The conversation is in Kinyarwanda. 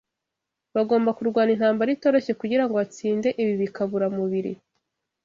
bagomba kurwana intambara itoroshye kugira ngo batsinde ibi bikaburamubiri